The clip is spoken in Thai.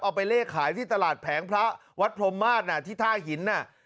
เอาไปเลขขายที่ตลาดแผงพระวัดพรมมาศที่ท่าหินน่ะ